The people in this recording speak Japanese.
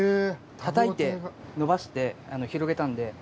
叩いて伸ばして広げたんで。